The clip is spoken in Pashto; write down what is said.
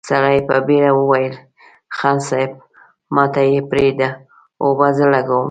سړي په بېړه وويل: خان صيب، ماته يې پرېږده، اوبه زه لګوم!